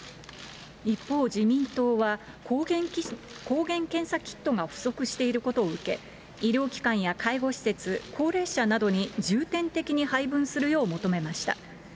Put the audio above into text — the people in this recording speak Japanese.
一方、自民党は抗原検査キットが不足していることを受け、医療機関や介護施設、高齢者などに重点的に配分するよう求めました。